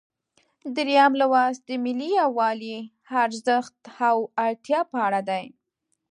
دریم لوست د ملي یووالي ارزښت او اړتیا په اړه دی.